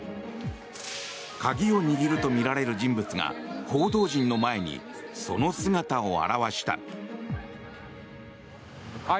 鍵を握るとみられる人物が報道陣の前にその姿を現した。